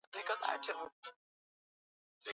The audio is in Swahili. Habari ya kushinda